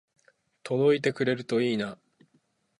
届いてくれるといいな